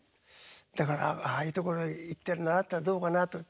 だからああいうところへ行って習ったらどうかなと思って。